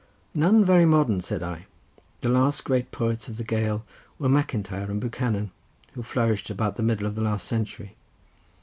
"None very modern," said I: "the last great poets of the Gael were Macintyre and Buchanan, who flourished about the middle of the last century.